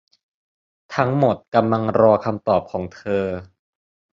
ทั้งหมดกำลังรอคำตอบของเธอ